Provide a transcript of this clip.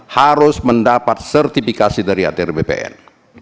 harus mendapat sertifikasi dari atr bpn